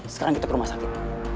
sekarang kita ke rumah sakit